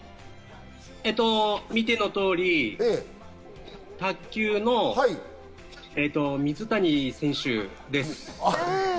見ての通り卓球の水谷選手です。